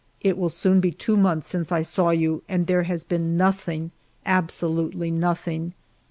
... It will soon be two months since I saw you, and there has been nothing, absolutely nothing.